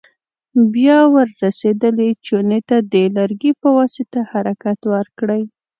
بیا ور رسېدلې چونې ته د لرګي په واسطه حرکت ورکړئ.